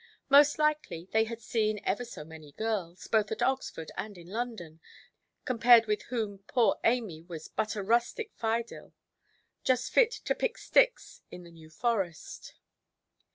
Most likely they had seen ever so many girls, both at Oxford and in London, compared with whom poor Amy was but a rustic Phidyle, just fit to pick sticks in the New Forest.